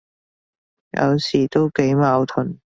有時都幾矛盾，